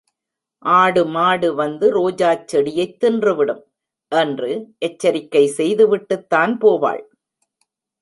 ஆடு மாடு வந்து ரோஜாச் செடியைத் தின்றுவிடும்! என்று எச்சரிக்கை செய்துவிட்டுத்தான் போவாள்.